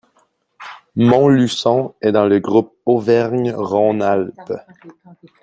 Montluçon est dans le groupe Auvergne-Rhône-Alpes.